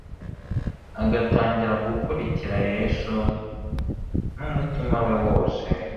agatangira gukurikira yesu n'umutima we wose